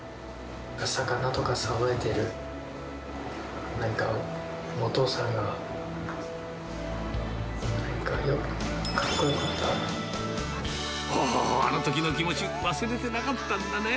魚とかさばいてる、何か、お父さんがなんか、あのときの気持ち、忘れてなかったんだね。